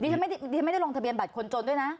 นี่ทำไมไม่ได้ลงทะเบียนบัตรคนจนด้วยนะ